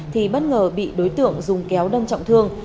thì bất ngờ bị đối tượng dùng kéo đâm trọng thương